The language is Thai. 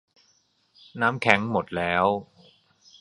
น้ำแข็งหมดแล้ว